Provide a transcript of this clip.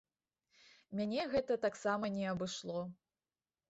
Мяне гэта таксама не абышло.